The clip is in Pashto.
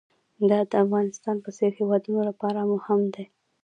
دا د افغانستان په څېر هېوادونو لپاره هم دی.